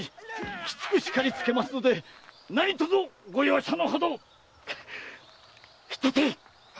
きつく叱りつけますので何とぞご容赦のほどを。引っ立てい！